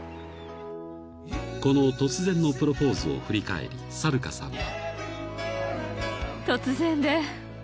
［この突然のプロポーズを振り返りサルカさんは］